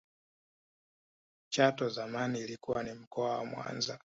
chato zamani ilikuwa ni mkoa wa mwanza